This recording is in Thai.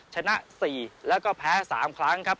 ชนะ๔แล้วก็แพ้๓ครั้งครับ